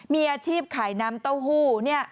มีอาชีพขายน้ำเต้าหู้